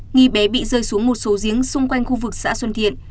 nghi bé bị rơi xuống một số giếng xung quanh khu vực xã xuân thiện